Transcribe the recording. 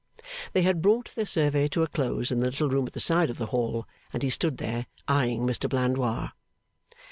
They had brought their survey to a close in the little room at the side of the hall, and he stood there, eyeing Mr Blandois.